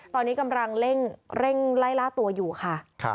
ตอนนี้กำลังเร่งไล่ล่าตัวอยู่ค่ะ